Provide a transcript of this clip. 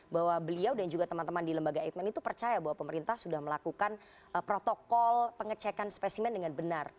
bahwa beliau dan juga teman teman di lembaga eijkman itu percaya bahwa pemerintah sudah melakukan protokol pengecekan spesimen dengan benar